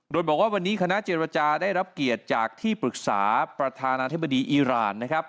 โดยบอกว่าวันนี้คณะเจรจาได้รับเกียรติจากที่ปรึกษาประธานาธิบดีอีรานนะครับ